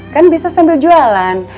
kan bisa sambil jualan